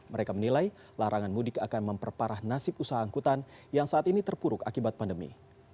mereka menilai larangan mudik akan memperparah nasib usaha angkutan yang saat ini terpuruk akibat pandemi